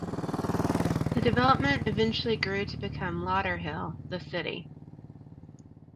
The development eventually grew to become Lauderhill, the city.